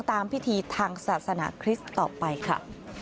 ตามพิธีทางศาสนาคริสต์ต่อไปค่ะ